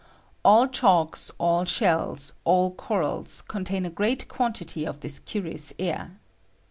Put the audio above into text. All chalks, all shells, all corals, contain a great quantity of this curious air.